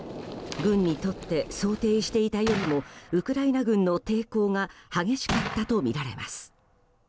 軍にとって想定していたよりもウクライナ軍の抵抗が激しかったとみられます。